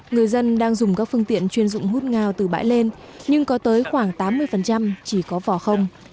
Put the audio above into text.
người dân đang dùng các phương tiện chuyên dụng hút ngao từ bãi lên nhưng có tới khoảng tám mươi chỉ có vỏ không